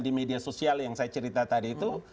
di media sosial yang saya cerita tadi itu